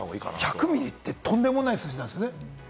１００ミリってとんでもない数字なんですよね。